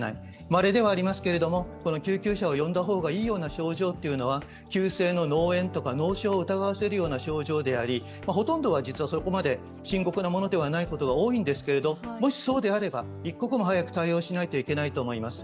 まれではありますけれども、救急車を呼んだ方がいいような症状というのは急性の脳炎とか脳症を疑わせるような症状でありほとんどが実はそこまで深刻なものではないことの方が多いんですけれども、もしそうであれば、一刻も早く対応しないといけないと思います。